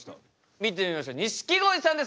見てみましょう錦鯉さんですどうぞ！